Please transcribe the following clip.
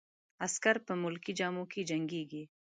عسکر په ملکي جامو کې جنګیږي.